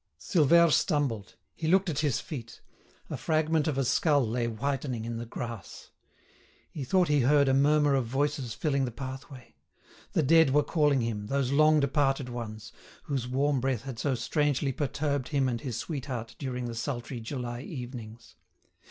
Silvère stumbled. He looked at his feet. A fragment of a skull lay whitening in the grass. He thought he heard a murmur of voices filling the pathway. The dead were calling him, those long departed ones, whose warm breath had so strangely perturbed him and his sweetheart during the sultry July evenings.